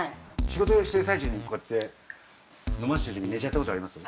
仕事をしてる最中にこうやって伸ばしてる時に寝ちゃった事あります？